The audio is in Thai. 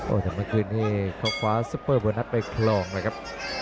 โอ้แต่เมื่อคืนที่เข้าขวาซุปเปอร์บอร์นัทไปคลองนะครับ